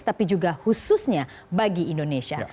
tapi juga khususnya bagi indonesia